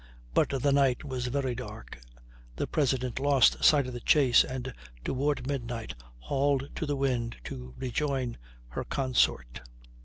But the night was very dark, the President lost sight of the chase, and, toward midnight, hauled to the wind to rejoin her consort.